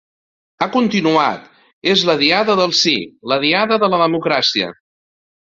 Ha continuat: És la Diada del sí, la Diada de la democràcia.